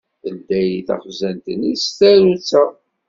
Ldey taxzant-nni s tsarut-a.